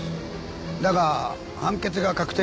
だが判決が確定した